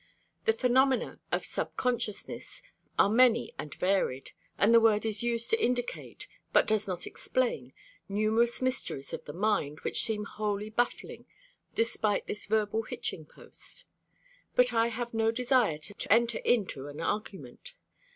The phenomena of subconsciousness are many and varied, and the word is used to indicate, but does not explain, numerous mysteries of the mind which seem wholly baffling despite this verbal hitching post. But I have no desire to enter into an argument.